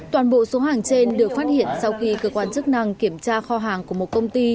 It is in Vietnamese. toàn bộ số hàng trên được phát hiện sau khi cơ quan chức năng kiểm tra kho hàng của một công ty